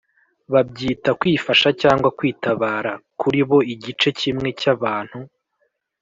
babyita kwifasha cyangwa kwitabara. kuri bo igice kimwe cy’abantu